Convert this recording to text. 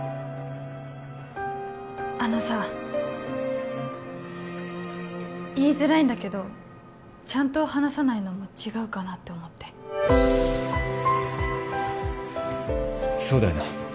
あのさ言いづらいんだけどちゃんと話さないのも違うかなって思ってそうだよな